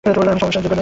আমি যোগ্য নই।